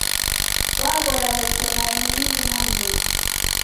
Waghora w'eke mae ni mndu na mruna.